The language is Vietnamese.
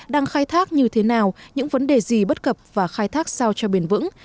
đang khai thác như thế nào những vấn đề gì bất cập và khai thác sao cho bền vững